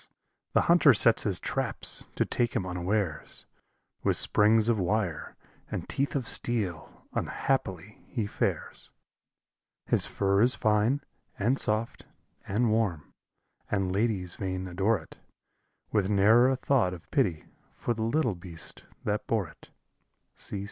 the hunter sets his traps, to take him unawares, With springs of wire and teeth of steel unhappily he fares; His fur is fine, and soft, and warm, and ladies vain adore it, With ne'er a thought of pity for the little beast that bore it!